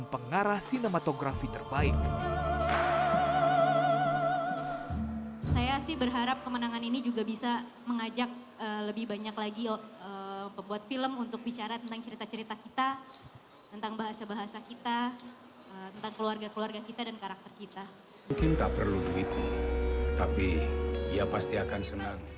mungkin tak perlu duit tapi dia pasti akan senang